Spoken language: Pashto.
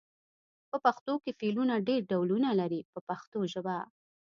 په پښتو کې فعلونه ډېر ډولونه لري په پښتو ژبه.